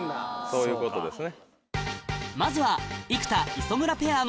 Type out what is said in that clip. そういうことですね。